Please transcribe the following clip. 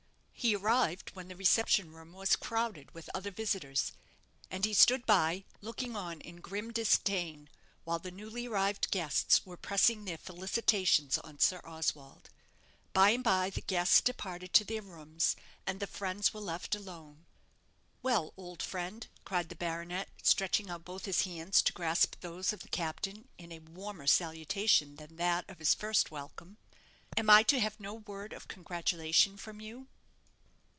He arrived when the reception room was crowded with other visitors, and he stood by, looking on in grim disdain, while the newly arrived guests were pressing their felicitations on Sir Oswald. By and bye the guests departed to their rooms, and the friends were left alone. "Well, old friend," cried the baronet, stretching out both his hands to grasp those of the captain in a warmer salutation than that of his first welcome, "am I to have no word of congratulation from you?"